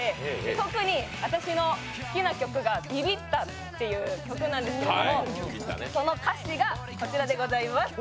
特に私の好きな曲が「ビビった」っていう曲なんですけどその歌詞がこちらでございます。